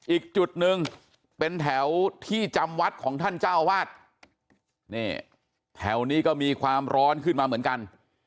อีกจุดหนึ่งเป็นแถวที่จำวัดของท่านเจ้าวาดนี่แถวนี้ก็มีความร้อนขึ้นมาเหมือนกัน